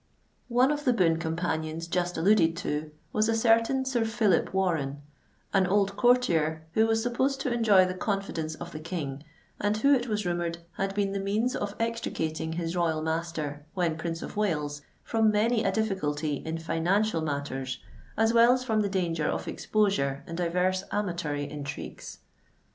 One of the boon companions just alluded to, was a certain Sir Phillip Warren—an old courtier who was supposed to enjoy the confidence of the King, and who, it was rumoured, had been the means of extricating his royal master, when Prince of Wales, from many a difficulty in financial matters as well as from the danger of exposure in divers amatory intrigues.